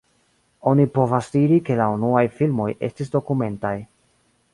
Oni povas diri ke la unuaj filmoj estis dokumentaj.